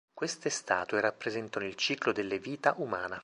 Queste statue rappresentano il ciclo delle vita umana.